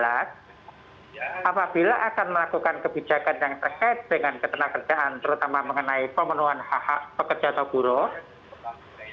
apabila akan melakukan kebijakan yang terkait dengan ketenaga kerjaan terutama mengenai pemenuhan hak hak pekerja atau buruh